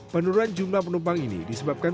penurunan jumlah penumpang ini disebabkan